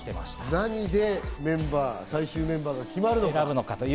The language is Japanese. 何で最終メンバーが決まるのか。